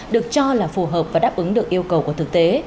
được cho là phù hợp và đáp ứng được yêu cầu của thực tế